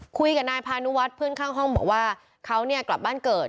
คุยกับนายพานุวัฒน์เพื่อนข้างห้องบอกว่าเขาเนี่ยกลับบ้านเกิด